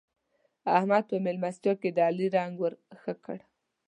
احمد په مېلمستيا کې د علي رنګ ور ښه کړ.